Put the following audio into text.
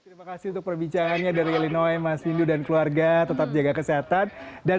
terima kasih untuk perbicaraannya dari illinois mas windu dan keluarga tetap jaga kesehatan dan